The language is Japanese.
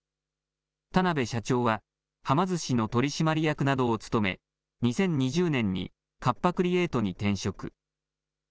田邊社長は、はま寿司の取締役などを務め、２０２０年にカッパ・クリエイトに転職。